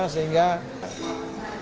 sehingga bulan ini